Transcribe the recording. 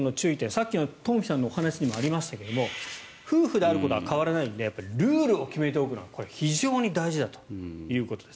さっきの東輝さんのお話にもありましたけど夫婦であることは変わらないのでルールを決めておくことは非常に大事だということです。